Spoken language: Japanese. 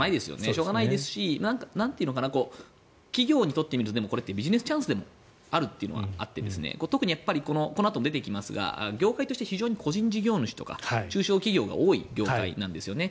しょうがないですし企業にとってみるとこれはビジネスチャンスでもあるのでこのあと出てきますけど業界として非常に個人事業主とか中小企業が多い業界なんですよね。